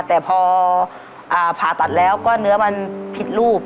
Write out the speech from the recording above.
แต่พอผ่าตัดแล้วก็เนื้อมันผิดรูป